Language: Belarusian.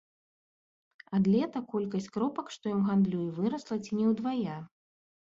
Ад лета колькасць кропак, што ім гандлюе, вырасла ці не ўдвая.